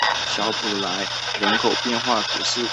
小普莱朗人口变化图示